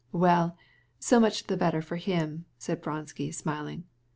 "Oh, well, so much the better for him," said Vronsky smiling.